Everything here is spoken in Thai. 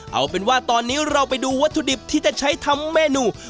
เอาเป็นว่าตอนนี้เราไปดูวัตถุดิบที่จะใช้ทำเมนู